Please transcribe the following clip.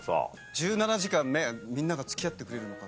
１７時間ねみんなが付き合ってくれるのか？